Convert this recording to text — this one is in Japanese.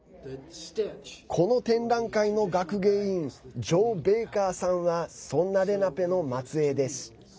この展覧会の学芸員ジョー・ベイカーさんはそんなレナペの末えいです。